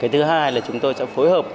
thứ hai là chúng tôi sẽ phối hợp